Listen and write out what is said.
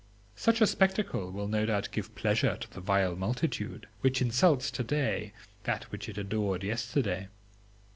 Such a spectacle will no doubt give pleasure to the vile multitude, which insults to day that which it adored yesterday.